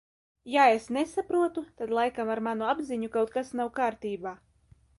Ja es nesaprotu, tad laikam ar manu apziņu kaut kas nav kārtībā.